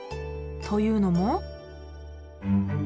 というのも。